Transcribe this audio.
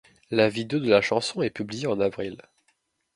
La vidéo de la chanson est publiée en avril.